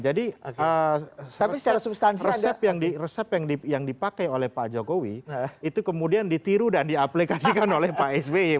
jadi resep yang dipakai oleh pak jokowi itu kemudian ditiru dan diaplikasikan oleh pak sby